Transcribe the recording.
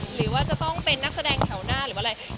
หรือว่าจะต้องเป็นนักแสดงแถวหน้าหรือว่าอะไร